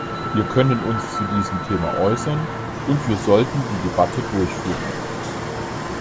Wir können uns zu diesem Thema äußern, und wir sollten die Debatte durchführen.